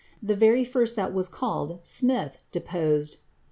The very first that was called, Smith) deposed.